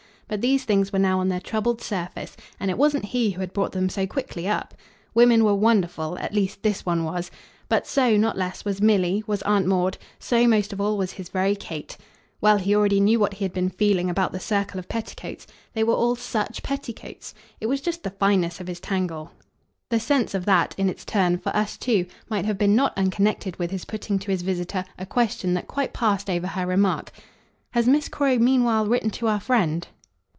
But these things were now on their troubled surface, and it wasn't he who had brought them so quickly up. Women were wonderful at least this one was. But so, not less, was Milly, was Aunt Maud; so, most of all, was his very Kate. Well, he already knew what he had been feeling about the circle of petticoats. They were all SUCH petticoats! It was just the fineness of his tangle. The sense of that, in its turn, for us too, might have been not unconnected with his putting to his visitor a question that quite passed over her remark. "Has Miss Croy meanwhile written to our friend?"